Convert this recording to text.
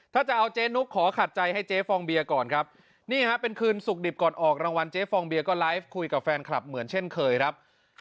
ถ้าจะเอาเจ๊นุกขอขัดใจให้เจ๊ฟองเบียร์ก่อนครับ